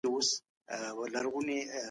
تعلیم د ناپوهۍ څخه غوره دی.